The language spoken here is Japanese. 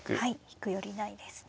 引くよりないですね。